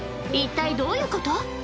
一体どういうこと？